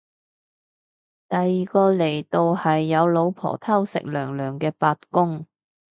第二個嚟到係有老婆偷食娘娘嘅八公